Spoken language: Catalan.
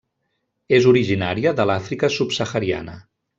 És originària de l'Àfrica subsahariana.